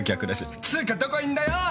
っつうかどこいんだよおい！